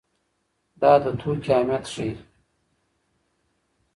دا د توکي اهميت ښيي.